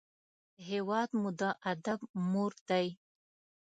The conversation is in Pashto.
هېواد مو د ادب مور دی